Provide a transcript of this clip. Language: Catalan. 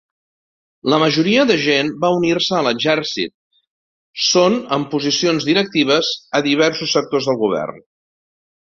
La majoria de gent va unir-se al exercit.són en posicions directives a diversos sectors del govern.